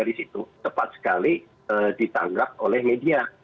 dan biasanya dari situ tepat sekali ditanggap oleh media